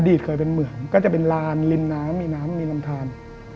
เคยเป็นเหมืองก็จะเป็นลานริมน้ำมีน้ำมีลำทาน